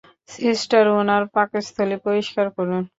Sister, উনার পাকস্থলী পরিষ্কার করুন।